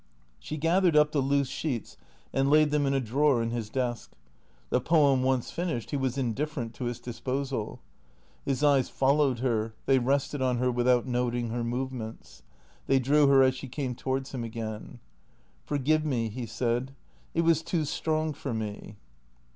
She gathered up the loose sheets and laid them in a drawer in his desk. The poem once finished he was indifferent to its disposal. His eyes followed her, they rested on her without noting her movements. They drew her as she came towards him again. " Forgive me," he said. " It was too strong for me."